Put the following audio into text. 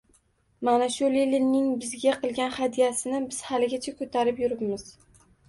Mana shu, Leninning bizga qilgan «hadya»sini, biz haligacha ko‘tarib yuribmiz